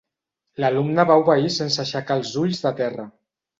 L'alumne va obeir sense aixecar els ulls de terra.